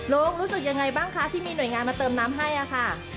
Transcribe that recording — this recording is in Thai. รู้สึกยังไงบ้างคะที่มีหน่วยงานมาเติมน้ำให้ค่ะ